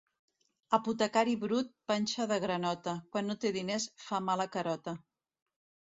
Apotecari brut, panxa de granota; quan no té diners, fa mala carota.